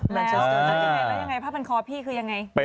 แล้วแล้วยังไงภาพบรรคอพี่คือยังไง